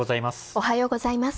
おはようございます。